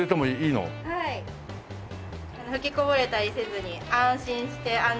吹きこぼれたりせずに安心して安全に。